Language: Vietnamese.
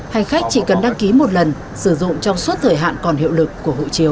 hành khách chỉ cần đăng ký một lần sử dụng trong suốt thời hạn còn hiệu lực của hộ chiếu